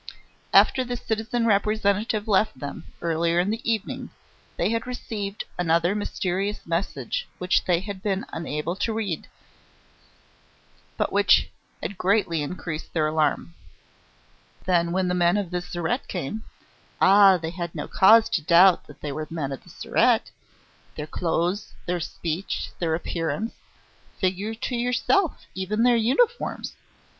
After the citizen Representative left them, earlier in the evening, they had received another mysterious message which they had been unable to read, but which had greatly increased their alarm. Then, when the men of the Surete came.... Ah! they had no cause to doubt that they were men of the Surete!... their clothes, their speech, their appearance ... figure to yourself, even their uniforms!